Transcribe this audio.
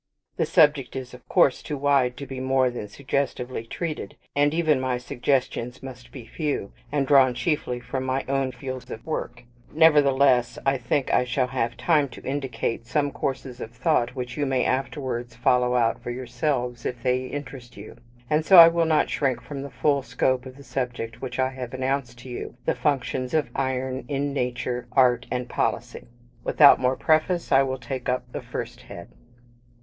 The subject is, of course, too wide to be more than suggestively treated; and even my suggestions must be few, and drawn chiefly from my own fields of work; nevertheless, I think I shall have time to indicate some courses of thought which you may afterwards follow out for yourselves if they interest you; and so I will not shrink from the full scope of the subject which I have announced to you the functions of Iron, in Nature, Art, and Policy. Without more preface, I will take up the first head.